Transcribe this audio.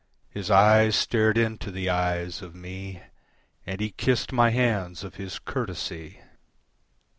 His eyes stared into the eyes of me And he kissed my hands of his courtesy.